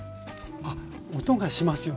あっ音がしますよ